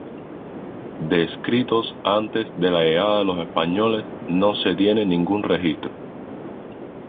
De escritos antes de la llegada de los españoles, no se tiene ningún registro.